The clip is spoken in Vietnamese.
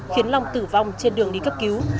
khiến long tử vong trên đường đi cấp cứu